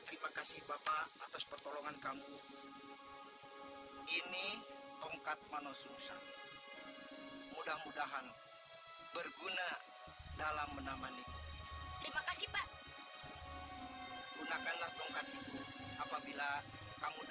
terima kasih bapak atas pertolongan kamu ini tongkat mano sungsang mudah mudahan berguna dalam